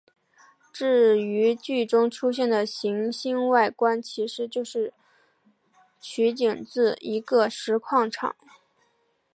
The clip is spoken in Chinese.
至于剧中出现的行星外观其实是取景自一个石矿场。